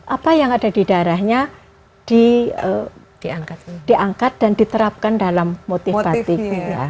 apa yang ada di daerahnya diangkat dan diterapkan dalam motif batik